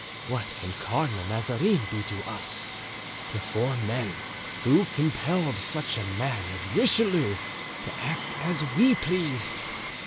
What can Cardinal Mazarin be to us, to four men who compelled such a man as Richelieu to act as we pleased?